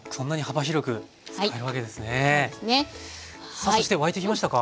さあそして沸いてきましたか？